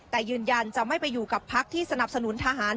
แต่ยืนยันจะไม่ไปอยู่กับพักที่สนับสนุนทหาร